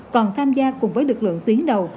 còn tham gia cùng với lực lượng tuyến đầu